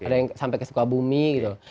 ada yang sampai ke sebuah bumi gitu